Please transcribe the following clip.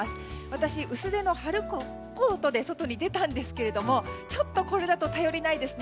私、薄手の春コートで外に出たんですがちょっとこれだと頼りないです。